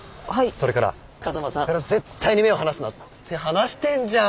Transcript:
それから風間さんから絶対に目を離すなって離してんじゃん